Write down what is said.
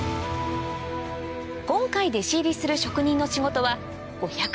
今回弟子入りする職人の仕事は５００